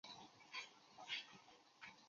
鼎文是多么地荒谬啊！